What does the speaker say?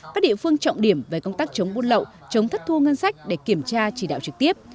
các địa phương trọng điểm về công tác chống buôn lậu chống thất thu ngân sách để kiểm tra chỉ đạo trực tiếp